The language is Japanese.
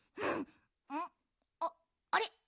んあっあれ？